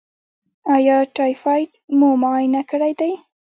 ایا ټایفایډ مو معاینه کړی دی؟